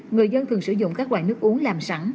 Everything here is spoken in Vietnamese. người dân thường sử dụng các loại nước uống làm sẵn